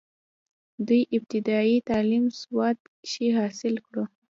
دوي ابتدائي تعليم سوات کښې حاصل کړو،